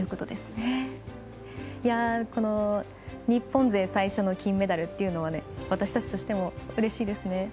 日本勢最初の金メダルって私たちとしても、うれしいですね。